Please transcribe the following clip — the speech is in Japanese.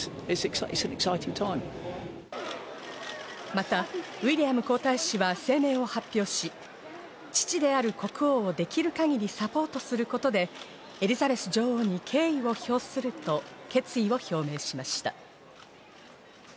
またウィリアム皇太子は声明を発表し、父である国王をできる限りサポートすることで、エリザベス女王に敬意を表すると決意を表明しました。